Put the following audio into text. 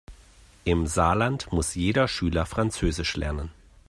Im Saarland muss jeder Schüler französisch lernen.